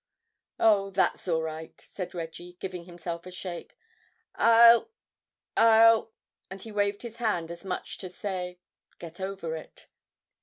"Oh, that's all right," said Reggie, giving himself a shake. "I'll... I'll—" And he waved his hand as much to say "get over it."